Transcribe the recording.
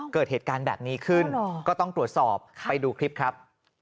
เกิดเหตุการณ์แบบนี้ขึ้นก็ต้องตรวจสอบไปดูคลิปครับ